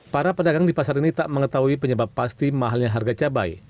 para pedagang di pasar ini tak mengetahui penyebab pasti mahalnya harga cabai